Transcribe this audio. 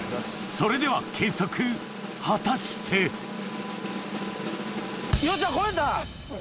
それでは計測果たしてよっしゃ超えた！